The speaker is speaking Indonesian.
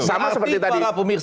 sama seperti tadi